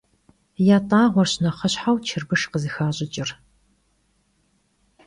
Yat'ağuerş nexhışheu çırbışş khızıxaş'ıç'ır.